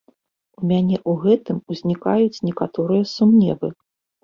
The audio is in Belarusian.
У мяне у гэтым узнікаюць некаторыя сумневы.